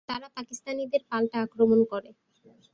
তারা পাকিস্তানিদের পাল্টা আক্রমণ করে।